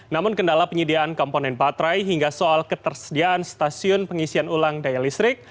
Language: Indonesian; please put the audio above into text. namun kendala penyediaan komponen baterai hingga soal ketersediaan stasiun pengisian ulang daya listrik